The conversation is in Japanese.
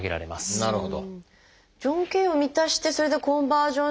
なるほど。